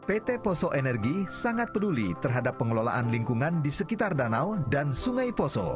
pt poso energi sangat peduli terhadap pengelolaan lingkungan di sekitar danau dan sungai poso